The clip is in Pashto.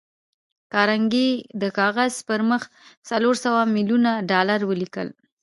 کارنګي د کاغذ پر مخ څلور سوه ميليونه ډالر ولیکل